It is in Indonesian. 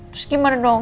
terus gimana dong